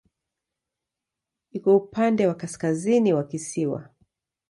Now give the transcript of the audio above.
Iko upande wa kaskazini wa kisiwa.